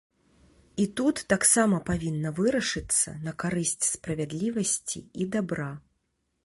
І тут таксама павінна вырашыцца на карысць справядлівасці і дабра.